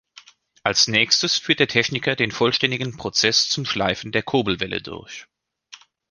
Als nächstes führt der Techniker den vollständigen Prozess zum Schleifen der Kurbelwelle durch.